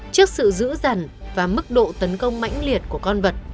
trước sự giữ dần và mức độ tấn công mãnh liệt của con vật